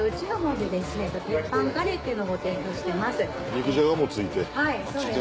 肉じゃがもついて。